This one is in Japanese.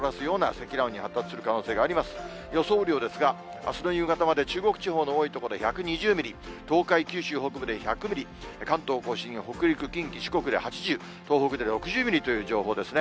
雨量ですが、あすの夕方まで、中国地方の多い所で１２０ミリ、東海、九州北部で１００ミリ、関東甲信、北陸、近畿、四国で８０、東北で６０ミリという情報ですね。